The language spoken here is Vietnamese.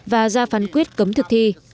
và ra phán quyết cấm thực thi